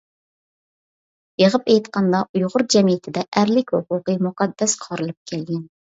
يىغىپ ئېيتقاندا ئۇيغۇر جەمئىيىتىدە ئەرلىك ھوقۇقى مۇقەددەس قارىلىپ كەلگەن.